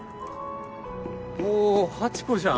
おハチ子じゃん。